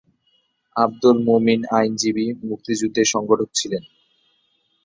আবদুল মোমিন আইনজীবী, মুক্তিযুদ্ধের সংগঠক ছিলেন।